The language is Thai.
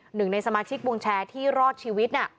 หนึ่งในสมาชิกวงแชร์ที่รอดชีวิต